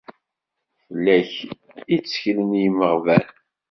Fell-ak i tteklen yimeɣban.